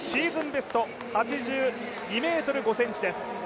ベスト８２ｍ５ｃｍです。